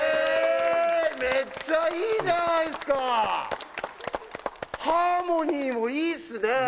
メッチャいいじゃないっすかハーモニーもいいっすねねえ